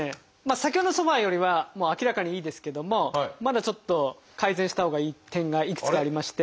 先ほどのソファーよりは明らかにいいですけどもまだちょっと改善したほうがいい点がいくつかありまして。